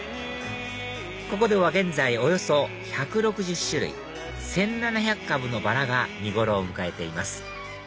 ここでは現在およそ１６０種類１７００株のバラが見頃を迎えています